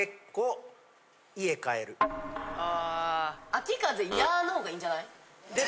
「秋風や」の方がいいんじゃないの？